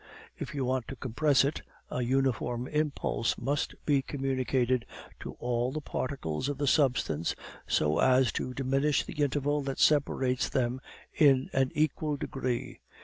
If you want to compress it, a uniform impulse must be communicated to all the particles of the substance, so as to diminish the interval that separates them in an equal degree.